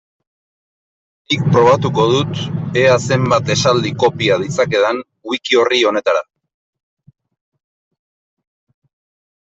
Nik probatuko dut ea zenbat esaldi kopia ditzakedan wiki-orri honetara.